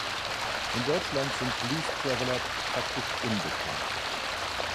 In Deutschland sind Blues Traveler praktisch unbekannt.